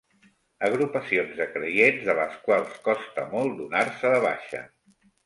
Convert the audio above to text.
Agrupacions de creients de les quals costa molt donar-se de baixa.